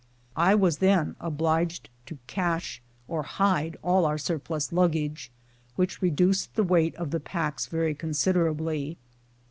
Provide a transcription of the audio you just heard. I was then obliged to cache, or hide, all our surplus luggage, which reduced the weight of the packs very considerably.